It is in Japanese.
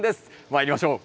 まいりましょう。